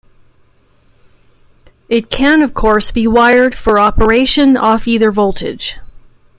It can, of course, be wired for operation off either voltage.